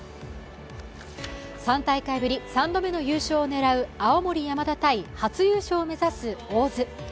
３大会ぶり３度目の優勝を狙う青森山田対初優勝を目指す大津。